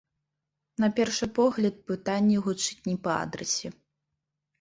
На першы погляд, пытанне гучыць не па адрасе.